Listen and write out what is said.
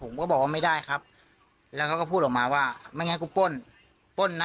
ผมก็บอกว่าไม่ได้ครับแล้วเขาก็พูดออกมาว่าไม่งั้นกูป้นป้นนะ